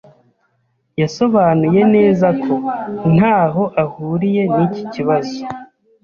Yasobanuye neza ko ntaho ahuriye n'iki kibazo.